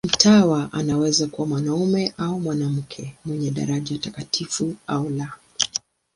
Mtawa anaweza kuwa mwanamume au mwanamke, mwenye daraja takatifu au la.